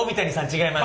違います。